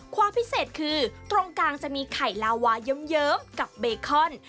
ความพิเศษคือตรงกลางจะมีไข่ลาวาเยิ้มกับเบคอน